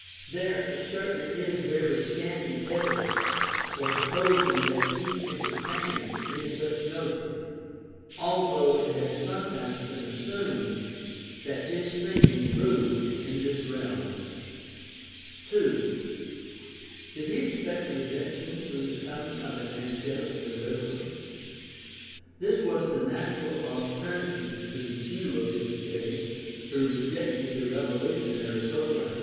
There certainly is very scanty evidence for supposing that he enter tained any such notion, although it has sometimes been assumed that his thinking moved in this realm. THE STUDY OF EARLY CHRISTIANITY 263 2. Did he expect redemption through the coming of an angelic dehverer ? This was the natural alternative for a Jew of his day who rejected the revolutionary program.